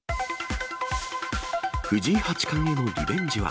藤井八冠へのリベンジは？